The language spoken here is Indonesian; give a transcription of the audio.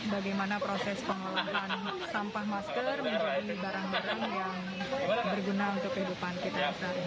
bagaimana proses pengolahan sampah masker menjadi barang barang yang berguna untuk kehidupan kita sehari hari